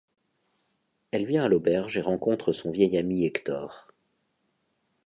Elle vient à l’auberge et rencontre son vieil ami Hector.